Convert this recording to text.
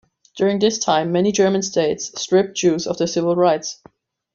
During this time, many German states stripped Jews of their civil rights.